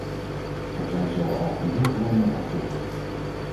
Er zijn zo al genoeg remmende factoren...